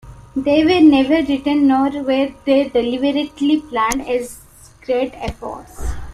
They were never written; nor were they deliberately planned as great efforts.